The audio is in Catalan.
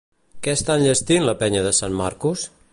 Què està enllestint la Penya de San Marcos?